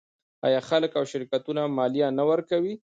آیا خلک او شرکتونه مالیه نه ورکوي؟